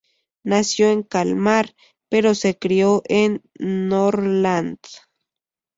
Nació en Kalmar, pero se crio en Norrland.